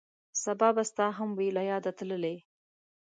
سبا به ستا هم وي له یاده تللی